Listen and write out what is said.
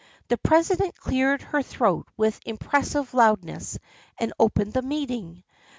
The president cleared her throat with impressive loudness and opened the meeting.